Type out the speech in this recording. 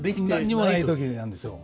何にもない時になんですよ。